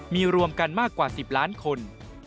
มีรวมกันมากกว่า๑๐ล้านคน